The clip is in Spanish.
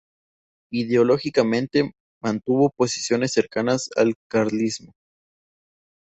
Ideológicamente, mantuvo posiciones cercanas al carlismo.